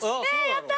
やった！